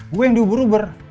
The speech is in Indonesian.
gue yang diubur ubur